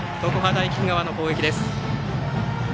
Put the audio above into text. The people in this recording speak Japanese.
大菊川の攻撃です。